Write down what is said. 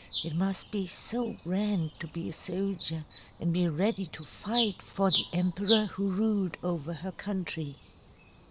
It must be so grand to be a soldier and be ready to fight for the emperor who ruled over her country.